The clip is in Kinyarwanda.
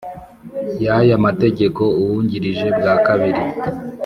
Ya y aya mategeko uwungirije bwa kabiri